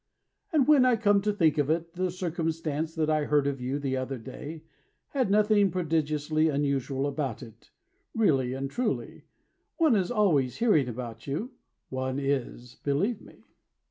And when I come to think of it The circumstance that I heard of you The other day Has nothing prodigiously unusual about it. Really and truly, One is always hearing about you. One is, believe me.